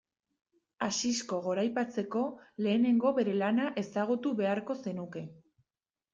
Asisko goraipatzeko lehenengo bere lana ezagutu beharko zenuke.